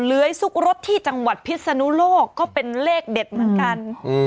เลื้อยซุกรถที่จังหวัดพิศนุโลกก็เป็นเลขเด็ดเหมือนกัน